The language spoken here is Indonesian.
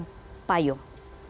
kita harus siapkan payung